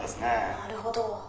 「なるほど」。